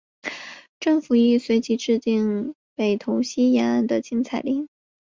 政府亦随即制定北投溪沿岸的禁采令。